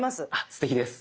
すてきです。